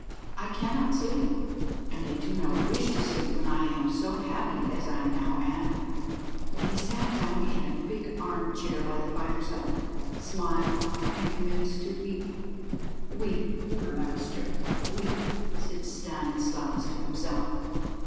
"I cannot sleep, and do not wish to sleep when I am so happy as I now am." And he sat down in a big arm chair by the fireside, smiled, and commenced to weep. "Weep, poor master, weep," said Stanislas to himself.